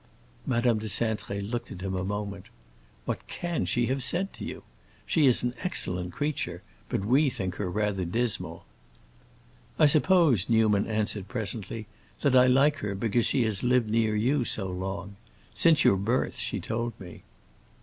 Madame de Cintré looked at him a moment. "What can she have said to you? She is an excellent creature, but we think her rather dismal." "I suppose," Newman answered presently, "that I like her because she has lived near you so long. Since your birth, she told me."